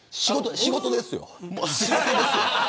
仕事ですよ。